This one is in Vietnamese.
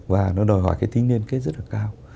và nó đòi hỏi cái tính liên kết rất là cao